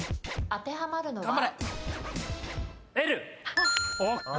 当てはまるのは？